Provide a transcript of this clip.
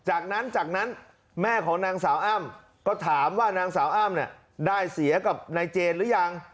จากนั้นจากนั้นแม่ของนางสาวอ้ำก็ถามว่านางสาวอ้ำได้เสียกับนายเจนหรือยัง